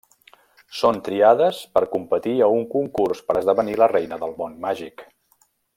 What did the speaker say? Són triades per competir a un concurs per esdevenir la Reina del Món Màgic.